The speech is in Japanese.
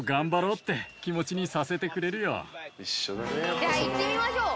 じゃあ行ってみましょう。